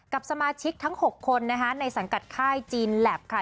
กับสมาชิกทั้ง๖คนนะคะในสังกัดค่ายจีนแหลปค่ะ